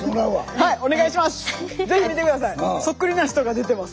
はいお願いします。